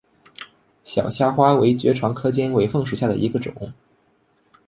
小虾花为爵床科尖尾凤属下的一个种。